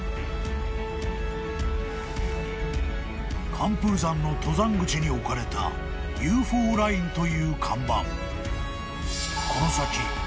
［寒風山の登山口に置かれたＵＦＯラインという看板］